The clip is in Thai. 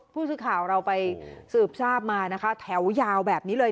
ผู้สื่อข่าวเราไปสืบทราบมานะคะแถวยาวแบบนี้เลย